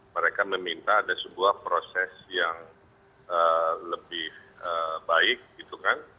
mereka meminta ada sebuah proses yang lebih baik gitu kan